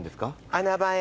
穴場へ。